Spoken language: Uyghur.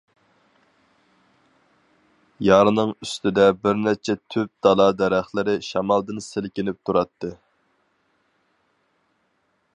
يارنىڭ ئۈستىدە بىر نەچچە تۈپ دالا دەرەخلىرى شامالدىن سىلكىنىپ تۇراتتى.